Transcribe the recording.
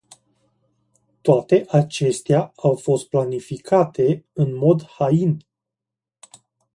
Toate acestea au fost planificate în mod hain.